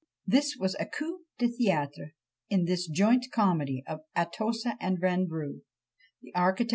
This was a coup de théâtre in this joint comedy of Atossa and Vanbrugh!